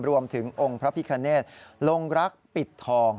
รวมถึงองค์พระพิคเนธลงรักปิดทอง